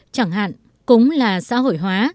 chẳng hạn cũng là xã hội hóa